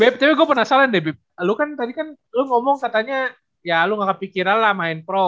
tapi gue penasaran deh lu kan tadi kan lo ngomong katanya ya lu gak kepikiran lah main pro